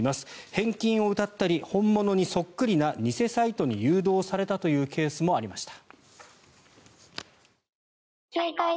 返金をうたったり本物にそっくりな偽サイトに誘導されたというケースもありました。